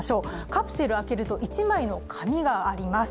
カプセルを開けると１枚の紙があります。